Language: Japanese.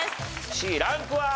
Ｃランクは？